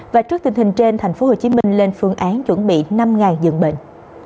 và trước tình hình trên thành phố hồ chí minh lên phương án chuẩn bị năm dường bệnh